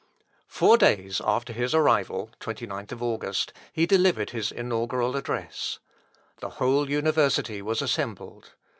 Four days after his arrival (29th August) he delivered his inaugural address. The whole university was assembled.